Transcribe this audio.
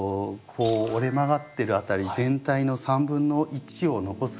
こう折れ曲がってる辺り全体の３分の１を残すぐらい。